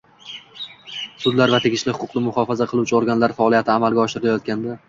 sudlar va tegishli huquqni muhofaza qiluvchi organlar faoliyati amalga oshirilayotganda;